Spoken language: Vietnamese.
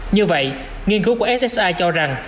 như vậy nghiên cứu của ssi cho rằng